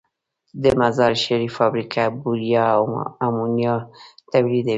د مزارشریف فابریکه یوریا او امونیا تولیدوي.